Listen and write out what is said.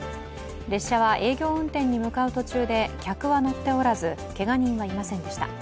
列車は営業運転に向かう途中で客は乗っておらずけが人はいませんでした。